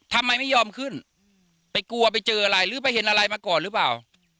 ทำไมไม่ยอมขึ้นไปกลัวไปเจออะไรหรือไปเห็นอะไรมาก่อนหรือเปล่า